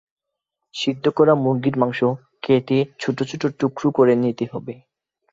সিদ্ধ করা মুরগীর মাংস কেটে ছোট ছোট টুকরো করে নিতে হবে।